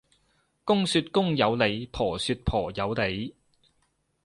公說公有理，婆說婆有理